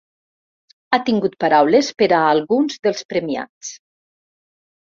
Ha tingut paraules per a alguns dels premiats.